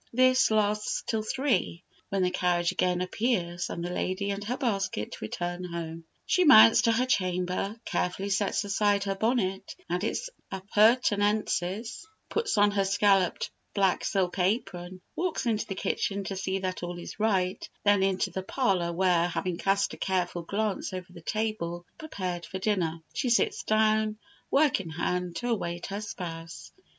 This lasts till three, when the carriage again appears, and the lady and her basket return home; she mounts to her chamber, carefully sets aside her bonnet and its appurtenances, puts on her scalloped black silk apron, walks into the kitchen to see that all is right, then into the parlour, where, having cast a careful glance over the table prepared for dinner, she sits down, work in hand, to await her spouse.